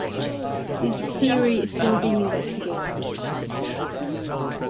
This theory is still being investigated.